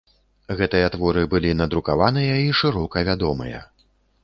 Гэтыя творы былі надрукаваныя і шырока вядомыя.